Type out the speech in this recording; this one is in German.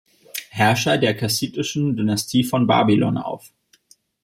Herrscher der kassitischen Dynastie von Babylon auf.